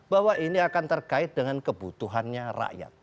bahwa ini akan terkait dengan kebutuhannya rakyat